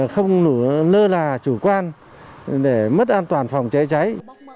không lơ là chủ quan để mất an toàn phòng cháy cháy